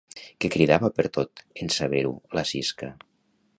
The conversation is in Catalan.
Què cridava pertot, en saber-ho, la Sisca?